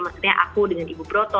maksudnya aku dengan ibu broto